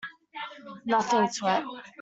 Nothing to it.